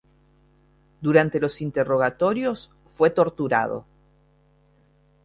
Durante los interrogatorios, fue torturado.